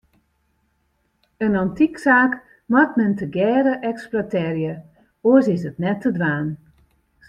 In antyksaak moat men tegearre eksploitearje, oars is it net te dwaan.